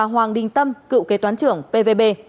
hoàng đinh tâm cựu kế toán trưởng pvb